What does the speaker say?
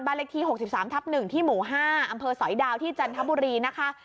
เลขที่๖๓ทับ๑ที่หมู่๕อำเภอสอยดาวที่จันทบุรีนะคะ